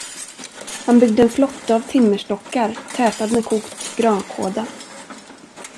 Han byggde en flotte av timmerstockar, tätad med kokt grankåda.